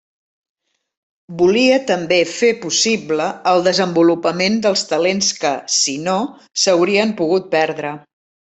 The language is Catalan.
Volia també fer possible el desenvolupament dels talents que, si no, s'haurien pogut perdre.